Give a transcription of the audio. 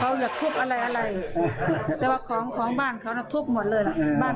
เขาอย่าทุบอะไรแต่ว่าของบ้านเขาทุบหมดเลยบ้านเขาเอง